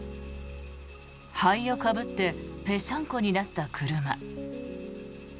灰をかぶってぺしゃんこになった車。